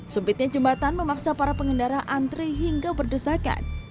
sumpitnya jembatan memaksa para pengendara antri hingga berdesakan